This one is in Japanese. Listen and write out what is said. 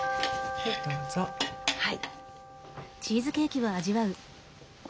はい。